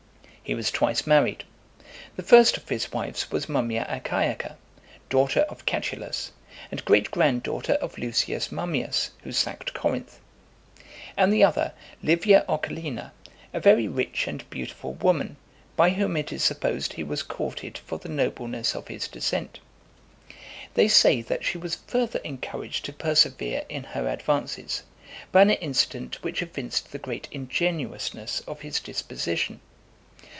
He was twice married: the first of his wives was Mummia Achaica, daughter of Catulus, and great grand daughter of Lucius Mummius, who sacked Corinth ; and the other, Livia Ocellina, a very rich and beautiful woman, by whom it is supposed he was courted for the nobleness of his descent. They say, that she was farther encouraged to persevere in her advances, by an incident which evinced the great ingenuousness of his disposition.